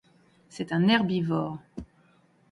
C'est un herbivore.